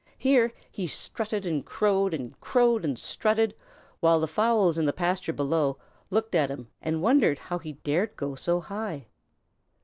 Here he strutted and crowed and crowed and strutted, while the fowls in the pasture below looked at him and wondered how he dared go so high.